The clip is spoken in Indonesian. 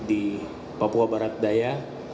di papua barat daya